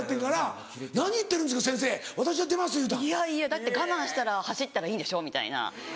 だって我慢したら走ったらいいんでしょみたいな。